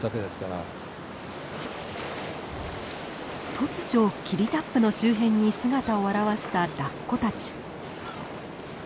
突如霧多布の周辺に姿を現したラッコたち。